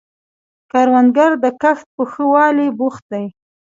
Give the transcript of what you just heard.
کروندګر د کښت په ښه والي بوخت دی